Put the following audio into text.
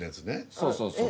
そうそうそう。